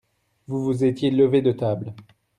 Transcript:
Vous vous étiez levés de table.